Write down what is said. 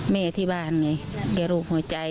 แม่ที่บ้านไงแกลูกหัวใจ